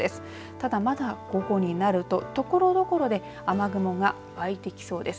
ただ、まだ午後になるとところどころで雨雲がわいてきそうです。